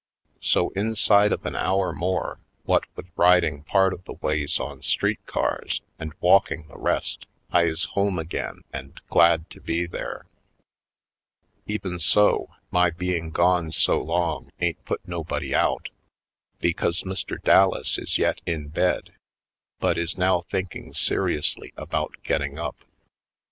So, inside of an hour more, what with rid ing part of the ways on street cars and walking the rest, I is home again and glad to be there. Even so, my being gone so long ain't put nobody out, because Mr. Dallas is yet in bed, but is now thinking seriously about getting up.